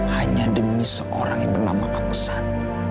hanya demi seorang yang bernama angsan